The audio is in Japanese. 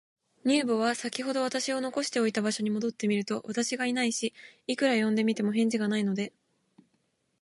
乳母は、さきほど私を残しておいた場所に戻ってみると、私がいないし、いくら呼んでみても、返事がないので、